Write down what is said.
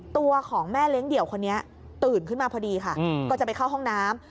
ตัวของแม่เลี้ยงเดี่ยวคนนี้ตื่นขึ้นมาพอดีค่ะก็จะไปเข้าห้องน้ำ